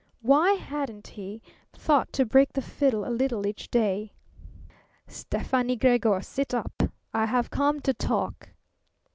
Why hadn't he thought to break the fiddle a little each day? "Stefani Gregor, sit up. I have come to talk."